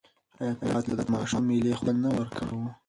حیات الله ته د ماشومتوب مېلې خوند نه ورکاوه.